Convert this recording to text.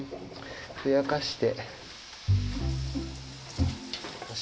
ふやかして。